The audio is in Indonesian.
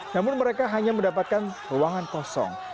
namun mereka hanya mendapatkan ruangan kosong